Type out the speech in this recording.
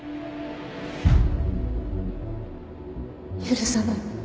許さない